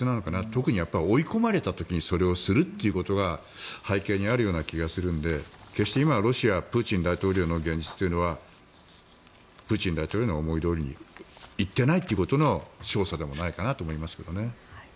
特に追い込まれた時にそれをするってことが背景にあるような気がするので決して今、ロシアプーチン大統領の現実というのはプーチン大統領の思いどおりにいっていないということの証左ではないかなと思いますけどね。